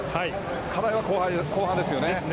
課題は後半ですよね。